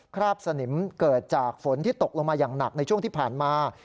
คราบสนิมเกิดจากฝนที่ตกลงมาอย่างหนักในช่วงที่ผ่านมา